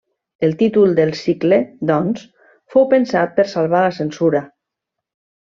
El títol del cicle, doncs, fou pensat per salvar la censura.